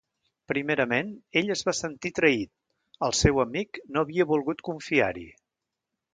Primerament, ell es va sentir traït; el seu amic no havia volgut confiar-hi.